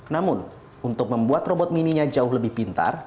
namun untuk membuat robot mininya jauh lebih pintar